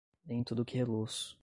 Nem tudo o que reluz